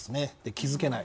気づけない。